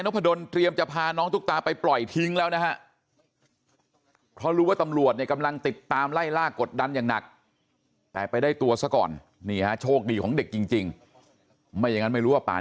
น้องพะดนพอเรียงจะพาน้องตุ๊กตาไปปล่อยทิ้งแล้วนะคะ